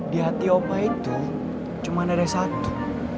di hati opa itu cuman ada satu